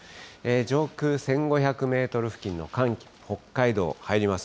上空１５００メートル付近の寒気、北海道入ります。